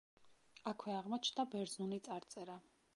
აქვე აღმოჩნდა ბერძნული წარწერა.